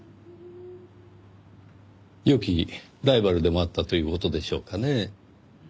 良きライバルでもあったという事でしょうかねぇ？